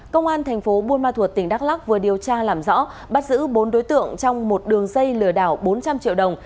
công an thành phố buôn ma thuột tỉnh đắk lắc vừa điều tra làm rõ bắt giữ bốn đối tượng trong một đường dây lừa đảo bốn trăm linh triệu đồng